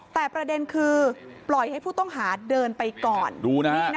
แต่ประเด็นคือปล่อยให้ผู้ต้องหาเดินไปก่อน